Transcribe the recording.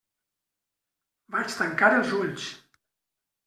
Vaig tancar els ulls.